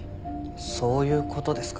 そういう事ですか？